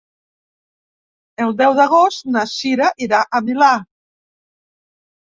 El deu d'agost na Sira irà al Milà.